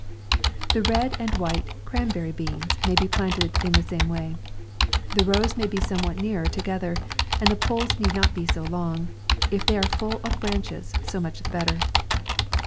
The red and white CRANBERRY BEANS may be planted in the same w r ay. The roi may be somewhat nearer together, and the poles need not be so long; if they are full of branches, so much the better.